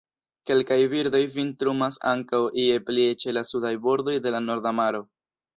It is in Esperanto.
Kelkaj birdoj vintrumas ankaŭ ie plie ĉe la sudaj bordoj de la Norda Maro.